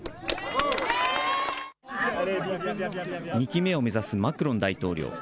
２期目を目指すマクロン大統領。